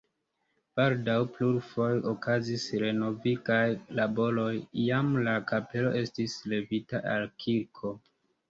Baldaŭ plurfoje okazis renovigaj laboroj, iam la kapelo estis levita al kirko.